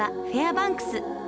バンクス。